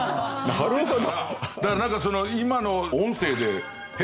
なるほど。